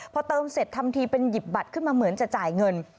พอเติมเสร็จทำทีเป็นหยิบบัตรขึ้นมาเหมือนจะจ่ายเงิน